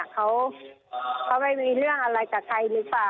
เขาไม่มีเรื่องอะไรกับใครหรือเปล่า